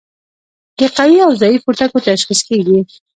د قوي او ضعیفو ټکو تشخیص کیږي.